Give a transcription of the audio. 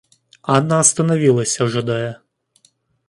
Анна остановилась, ожидая.